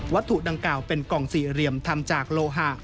ถูกดังกล่าวเป็นกล่องสี่เหลี่ยมทำจากโลหะ